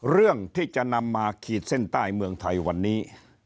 เรื่องที่จะนำมาขีดเส้นใต้เมืองไทยวันนี้